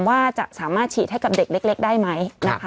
ว่าจะสามารถฉีดให้กับเด็กเล็กได้ไหมนะคะ